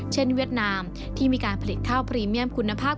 เวียดนามที่มีการผลิตข้าวพรีเมียมคุณภาพ